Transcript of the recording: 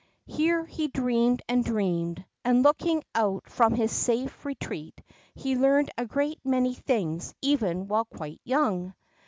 Here he dreamed and dreamed, and, looking out from his safe retreat, he learned a great many things even while quite young.